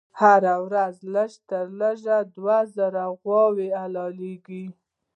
هر ورځ به لږ تر لږه دوه زره غوایي حلالېدل.